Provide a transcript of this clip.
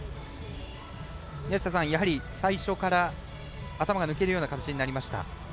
宮下さん、最初から頭が抜けるような形になりました。